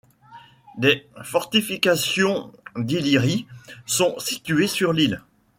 Des fortifications d'Illyrie sont situées sur l'île.